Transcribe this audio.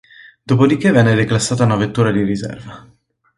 Dopodiché venne declassata a vettura di riserva.